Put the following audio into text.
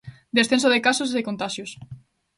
Descenso de casos e de contaxios.